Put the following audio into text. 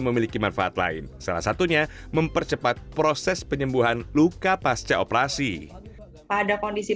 memiliki manfaat lain salah satunya mempercepat proses penyembuhan luka pasca operasi pada kondisi